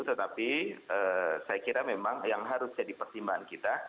tetapi saya kira memang yang harus jadi pertimbangan kita